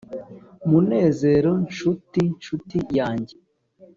“Munezero, nshuti nshuti yange!